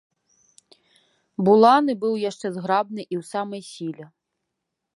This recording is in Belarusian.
Буланы быў яшчэ зграбны і ў самай сіле.